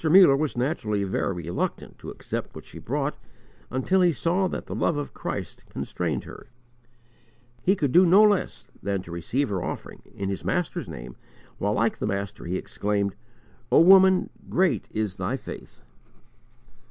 Muller was naturally very reluctant to accept what she brought, until he saw that the love of Christ constrained her. He could then do no less than to receive her offering, in his Master's name, while like the Master he exclaimed, "O woman, great is thy faith!"